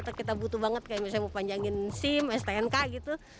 atau kita butuh banget kayak misalnya mau panjangin sim stnk gitu